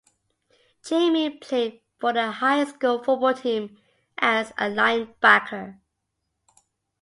Jamie played for the high school football team as a linebacker.